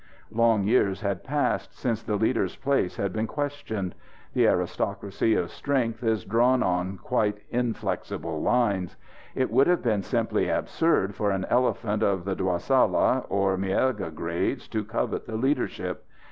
Long years had passed since the leader's place had been questioned. The aristocracy of strength is drawn on quite inflexible lines. It would have been simply absurd for an elephant of the Dwasala or Mierga grades to covet the leadership.